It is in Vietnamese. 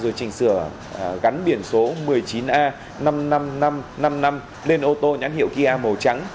rồi trình sửa gắn biển số một mươi chín a năm mươi năm nghìn năm trăm năm mươi năm lên ô tô nhãn hiệu kia màu trắng